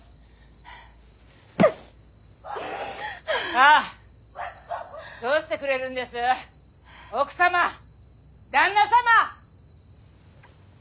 さあどうしてくれるんです奥様旦那様！